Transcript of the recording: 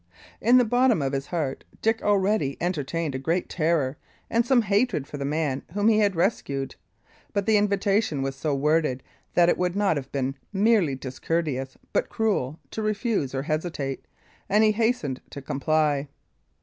In the bottom of his heart Dick already entertained a great terror and some hatred for the man whom he had rescued; but the invitation was so worded that it would not have been merely discourteous, but cruel, to refuse or hesitate; and he hastened to comply.